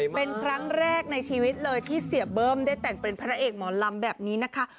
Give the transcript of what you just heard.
เป็นครั้งแรกในชีวิตเลยที่เสียเบิ้มได้แต่งเป็นพระเอกหมอลำแบบนี้นะคะ